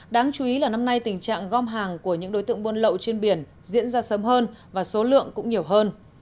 đáng chú ý là năm nay tình trạng gom hàng của những đối tượng buôn lậu trên biển diễn ra sớm hơn và số lượng cũng nhiều hơn